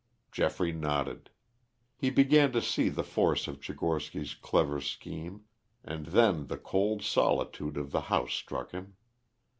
Geoffrey nodded. He began to see the force of Tchigorsky's clever scheme. And then the cold solitude of the house struck him.